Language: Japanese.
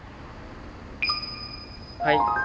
はい。